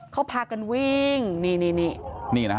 เขาพากันวิ่งนี่